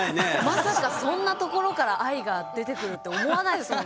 まさかそんなところから愛が出てくるって思わないですもんね。